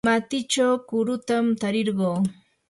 matichaw kurutam tarirquu.